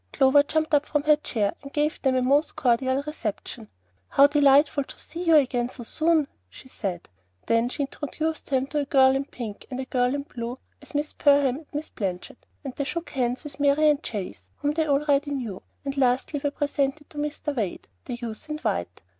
Clover jumped up from her chair, and gave them a most cordial reception. "How delightful to see you again so soon!" she said. Then she introduced them to a girl in pink and a girl in blue as Miss Perham and Miss Blanchard, and they shook hands with Marian Chase, whom they already knew, and lastly were presented to Mr. Wade, the youth in white.